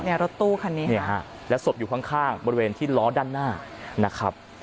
รถตู้คันนี้เนี่ยฮะแล้วศพอยู่ข้างบริเวณที่ล้อด้านหน้านะครับ